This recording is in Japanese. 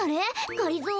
がりぞー